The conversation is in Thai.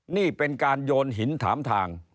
นี่เป็นการโยนหินถามทาง